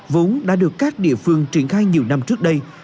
vốn đã được các địa phương triển khai nhiều năm trước đây